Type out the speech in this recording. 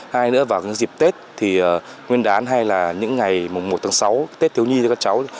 hai nữa vào dịp tết thì nguyên đán hay là những ngày mùng một tháng sáu tết thiếu nhi cho các cháu